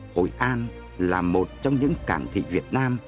hội an là một trong những cảng thị việt nam